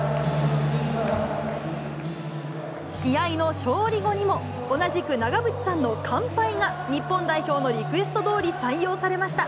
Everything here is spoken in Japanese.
試合の勝利後にも、同じく長渕さんの乾杯が日本代表のリクエストどおり採用されました。